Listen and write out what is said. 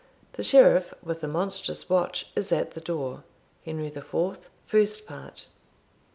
_ The sheriff, with a monstrous watch, is at the door. Henry IV. _First Part.